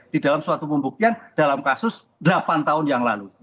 di dalam suatu pembuktian dalam kasus delapan tahun yang lalu